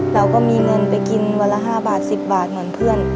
เราก็มีเงินไปกินวันละ๕บาท๑๐บาทเหมือนเพื่อน